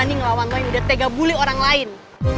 ih apaan sih